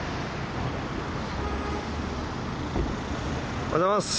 おはようございます